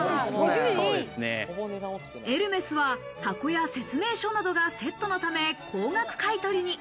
エルメスは箱や説明書などがセットのため高額買取に。